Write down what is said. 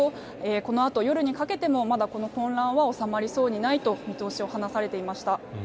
このあと、夜にかけてもまだこの混乱は収まりそうにないと見通しを話されていました。